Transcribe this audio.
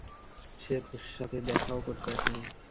সে তোর সাথে দেখাও করতে আসেনি!